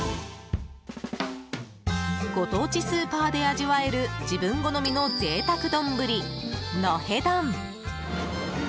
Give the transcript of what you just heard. ご当地スーパーで味わえる自分好みの贅沢丼、のへ丼。